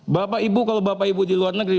bapak ibu kalau bapak ibu di luar negeri